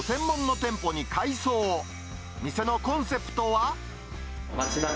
店のコンセプトは。